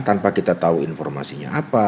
tanpa kita tahu informasinya apa